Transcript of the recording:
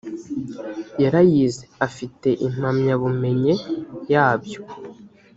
yarayize afite impanya bumenye yabyo